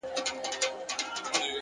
پوه انسان له تعصب لرې وي